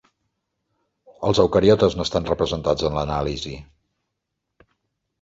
Els eucariotes no estan representats en l'anàlisi.